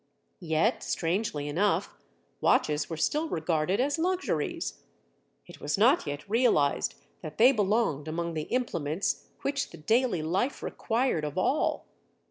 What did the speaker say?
Yet, strangely enough, watches were still regarded as luxuries. It was not yet realized that they belonged among the implements which the daily life required of all.